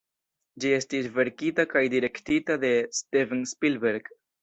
Ĝi estis verkita kaj direktita de Steven Spielberg.